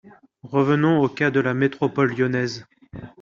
Revenons au cas de la métropole lyonnaise.